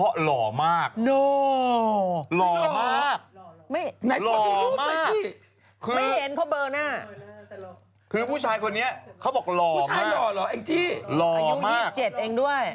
อายุ๔๗เองด้วย